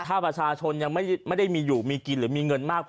ถ้าประชาชนยังไม่ได้มีอยู่มีกินหรือมีเงินมาก